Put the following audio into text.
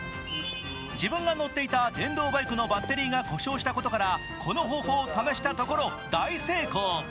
自分が乗っていた電動バイクのバッテリーが故障したことからこの方法を試したところ大成功。